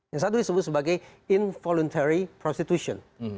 yang satu disebut sebagai involuntary prostitution